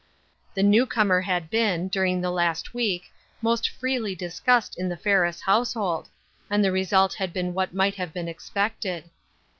The new comer had been, during the last week, most freely discussed in the Ferris household, and the result had been what might have been expected.